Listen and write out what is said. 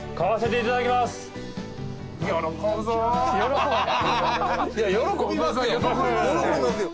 いや喜びますよ。